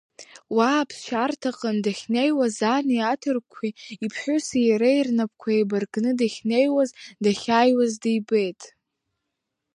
Уа аԥсшьарҭаҟны дахьнеиуаз ани аҭырқәа иԥҳәыси иареи рнапқәа еибаркны дахьнеиуаз, дахьааиуаз дибеит.